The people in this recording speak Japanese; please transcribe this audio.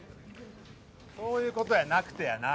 そういう事やなくてやな。